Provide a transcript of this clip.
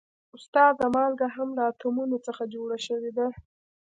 استاده مالګه هم له اتومونو څخه جوړه شوې ده